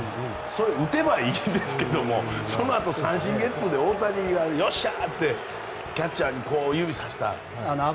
打てばいいんですけどそのあと、三振、ゲッツーで大谷がよっしゃ！ってキャッチャーを指さした。